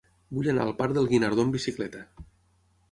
Vull anar al parc del Guinardó amb bicicleta.